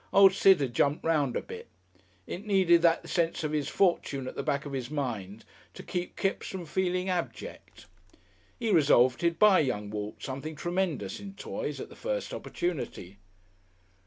Old Sid had jumped round a bit. It needed the sense of his fortune at the back of his mind to keep Kipps from feeling abject. He resolved he'd buy young Walt something tremendous in toys at the first opportunity.